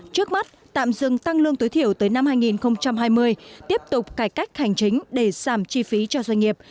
trước mắt tạm dừng tăng lương tối thiểu tới năm hai nghìn hai mươi tiếp tục cải cách hành chính để giảm chi phí cho doanh nghiệp